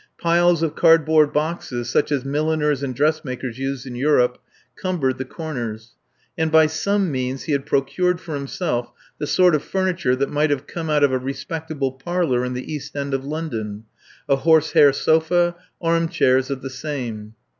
Piles of cardboard boxes, such as milliners and dressmakers use in Europe, cumbered the corners; and by some means he had procured for himself the sort of furniture that might have come out of a respectable parlour in the East End of London a horsehair sofa, arm chairs of the same.